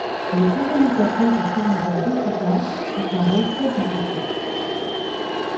Les organisateurs du Carnaval d’Offida ont un rôle très important.